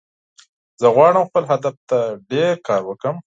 زه غواړم خپل هدف ته ډیر کار وکړم